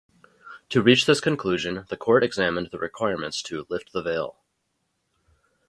To reach this conclusion the Court examined the requirements to "lift the veil".